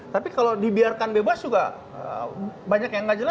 tapi kalau dibiarkan bebas juga banyak yang nggak jelas